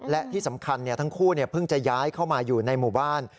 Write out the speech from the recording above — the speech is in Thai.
และที่สำคัญทั้งคู่เพิ่งจะย้ายเข้ามาอยู่ในหมู่บ้าน